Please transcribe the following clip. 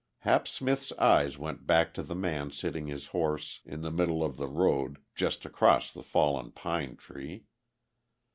Hap Smith's eyes went back to the man sitting his horse in the middle of the road, just across the fallen pine tree.